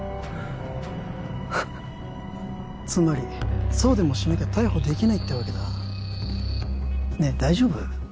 つまりそうでもしなきゃ逮捕できないってわけだねえ大丈夫？